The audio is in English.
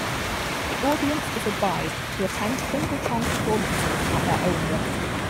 The audience is advised to attend Thimbletron performances at their own risk.